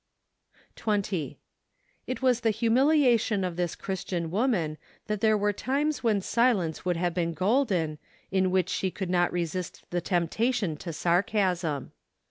20. It was the humiliation of this Chris¬ tian woman that there were times when silence would have been golden, in which she could not resist the temptation to sar¬ casm.